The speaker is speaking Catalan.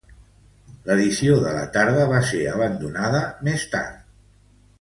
L'edició de la tarda va ser abandonada més tard.